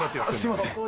すいません。